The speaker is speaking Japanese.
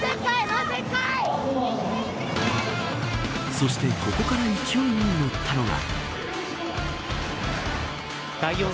そして、ここから勢いに乗ったのが。